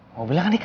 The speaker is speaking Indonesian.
mau bilang di kafe